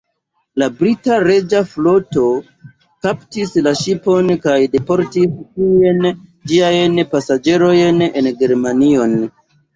La brita Reĝa Floto kaptis la ŝipon, kaj deportis ĉiujn ĝiajn pasaĝerojn en Germanion.